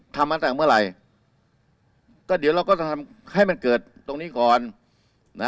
ทำมาตั้งแต่เมื่อไหร่ก็เดี๋ยวเราก็จะทำให้มันเกิดตรงนี้ก่อนนะ